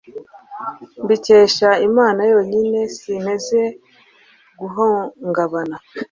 mbikesha imana yonyine, sinteze guhungabana